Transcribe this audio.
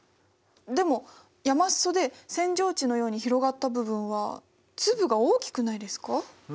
でも山裾で扇状地のように広がった部分は粒が大きくないですか？